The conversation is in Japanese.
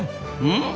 うん？